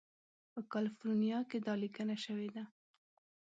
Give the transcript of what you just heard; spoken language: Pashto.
په کالیفورنیا کې دا لیکنه شوې ده.